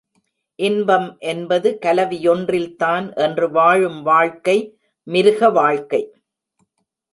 இன்பம் என்பது கலவியொன்றில்தான் என்று வாழும் வாழ்க்கை மிருக வாழ்க்கை.